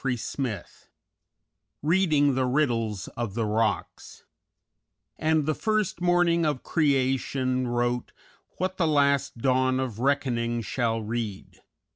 _] VII READING THE RIDDLES OF THE ROCKS "_And the first Morning of Creation wrote What the Last Dawn of Reckoning shall read.